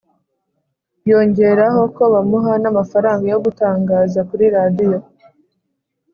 Yongeraho ko bamuha n' amafaranga yo gutangaza kuri Radiyo